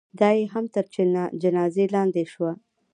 دا یې هم تر جنازې لاندې شوه.